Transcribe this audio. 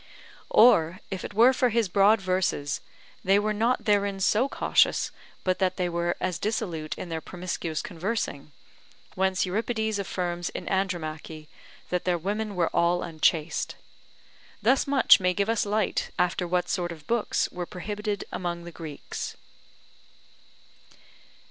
Or if it were for his broad verses, they were not therein so cautious but they were as dissolute in their promiscuous conversing; whence Euripides affirms in Andromache, that their women were all unchaste. Thus much may give us light after what sort of books were prohibited among the Greeks.